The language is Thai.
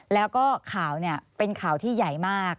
แล้วก็ข่าวเป็นข่าวที่ใหญ่มาก